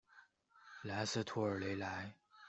莱斯图尔雷莱。